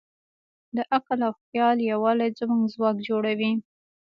د عقل او خیال یووالی زموږ ځواک جوړوي.